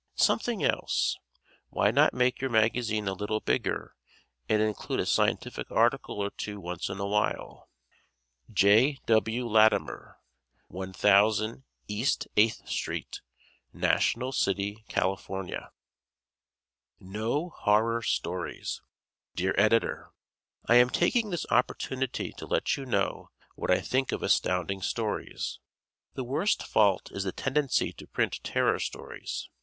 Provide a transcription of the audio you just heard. Something else: why not make your magazine a little bigger and include a scientific article or two once in a while? J. W. Latimer, 1000 East 8th Street, National City, Calif. "No Horror Stories" Dear Editor: I am taking this opportunity to let you know what I think of Astounding Stories. The worst fault is the tendency to print terror stories.